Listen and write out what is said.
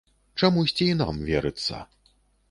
Чамусьці і нам верыцца!